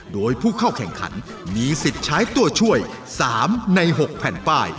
โดยผู้เข้าแข่งขันมีสิทธิ์ใช้ตัวช่วย๓ใน๖แผ่นป้าย